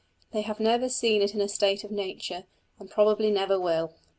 They have never seen it in a state of nature, and probably never will.